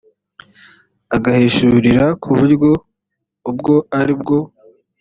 agahishurira ku buryo ubwo ari bwo